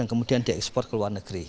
kemudian di ekspor ke luar negeri